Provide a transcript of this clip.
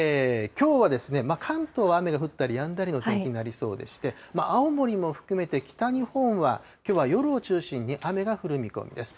きょうは関東は雨が降ったりやんだりの状況が続きまして、青森も含めて、北日本は、きょうは夜を中心に雨が降る見込みです。